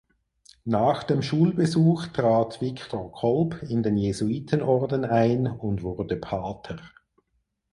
Nach dem Schulbesuch trat Viktor Kolb in den Jesuitenorden ein und wurde Pater.